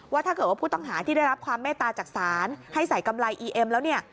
ถ้าเกิดว่าผู้ต้องหาที่ได้รับความเมตตาจากศาลให้ใส่กำไรอีเอ็มแล้วเนี่ย